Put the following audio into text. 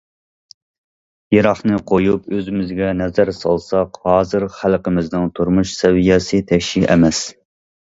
يىراقنى قويۇپ ئۆزىمىزگە نەزەر سالساق، ھازىر خەلقىمىزنىڭ تۇرمۇش سەۋىيەسى تەكشى ئەمەس.